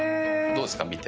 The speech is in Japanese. どうですか？